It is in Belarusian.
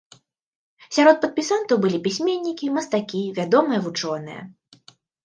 Сярод падпісантаў былі пісьменнікі, мастакі, вядомыя вучоныя.